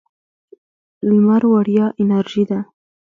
لمر وړیا انرژي ده.